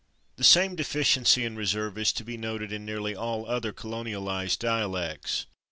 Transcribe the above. The same deficiency in reserve is to be noted in nearly all other colonialized dialects.